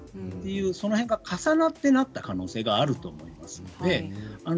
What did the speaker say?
その辺が重なってなった可能性があると思います。